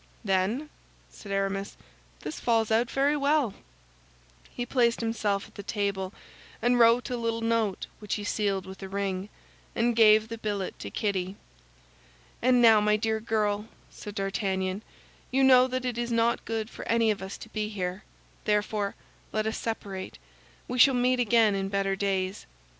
"Then," said Aramis, "this falls out very well." He placed himself at the table and wrote a little note which he sealed with a ring, and gave the billet to Kitty. "And now, my dear girl," said D'Artagnan, "you know that it is not good for any of us to be here. Therefore let us separate. We shall meet again in better days."